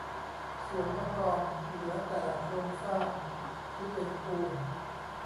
ส่วน มะกอม เหลือแต่โครงสร้างที่เป็นปูน